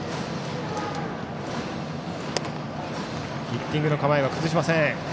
ヒッティングの構えを崩しません。